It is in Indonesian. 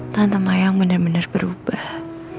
tante mayang bener bener berubah